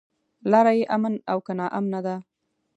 لاره يې امن او که ناامنه ده.